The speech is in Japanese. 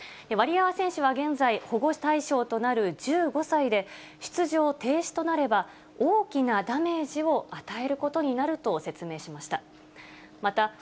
ワリエワ選手は現在、保護対象となる１５歳で、出場停止となれば、大きなダメージを与えることになると説明しました。